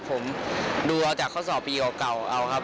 ผมดูเอาจากข้อสอบปีเก่าเอาครับ